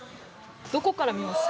どこから見ます？